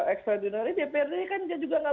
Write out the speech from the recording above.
ekstradinari dprd kan juga enggak